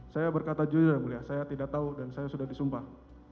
saya berkata jujur yang mulia saya tidak tahu dan saya sudah disumpah